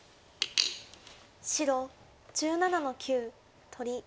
白１７の九取り。